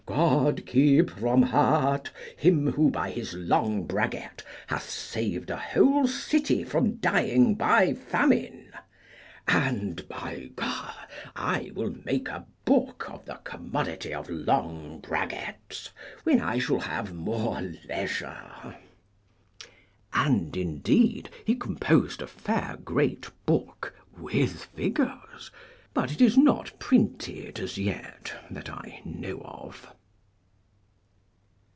God keep from hurt him who by his long braguet hath saved a whole city from dying by famine! And, by G , I will make a book of the commodity of long braguets when I shall have more leisure. And indeed he composed a fair great book with figures, but it is not printed as yet that I know of.